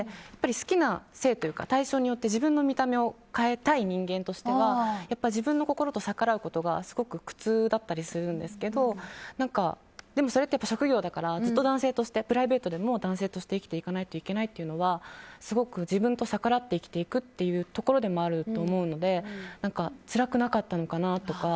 好きな性というか対象によって自分の見た目を変えたい人間としては自分の心と逆らうことがすごく苦痛だったりもするんですけどでもそれって職業だからずっと男性としてプライベートでも男性として生きていかないといけないというのはすごく自分と逆らって生きていくところでもあると思うのでつらくなかったのかなとか。